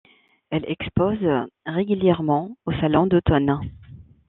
Elle expose régulièrement au salon d'automne.